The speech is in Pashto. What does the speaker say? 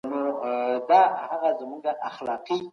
نوی فصل پیل کړئ.